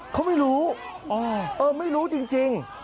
เขาไม่รู้ไม่รู้จริง